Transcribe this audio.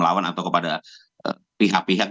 lawan atau kepada pihak pihak